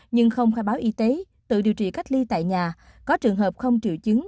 f khai báo y tế tự điều trị cách ly tại nhà có trường hợp không triệu chứng